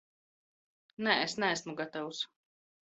Nē, es neesmu gatavs.